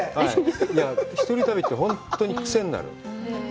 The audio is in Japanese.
いや、一人旅って本当に癖になる。